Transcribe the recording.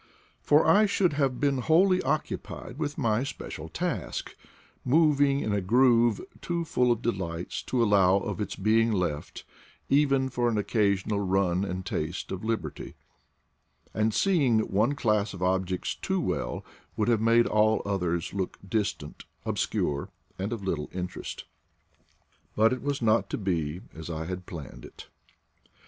For I should have been wholly occupied with my special task, moving in a groove too full of delights to allow of its being left, even for an occasional run and taste of liberty; and seeing one class of objects too well would have made all others look distant, ob scure, and of little interest But it was not to be as I had planned it.